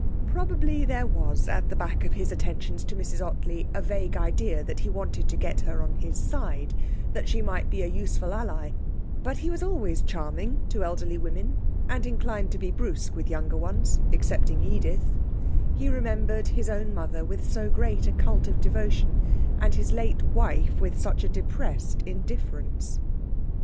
Probably there was at the back of his attentions to Mrs Ottley a vague idea that he wanted to get her on his side that she might be a useful ally; but he was always charming to elderly women, and inclined to be brusque with younger ones, excepting Edith; he remembered his own mother with so great a cult of devotion, and his late wife with such a depressed indifference.